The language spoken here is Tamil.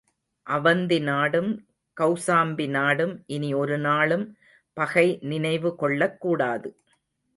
அவந்தி நாடும் செளசாம்பி நாடும் இனி ஒரு நாளும் பகை நினைவுகொள்ளக் கூடாது.